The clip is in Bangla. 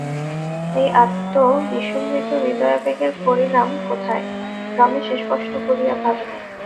এই আত্মবিসমৃত হৃদয়াবেগের পরিণাম কোথায়, রমেশ স্পষ্ট করিয়া ভাবে নাই।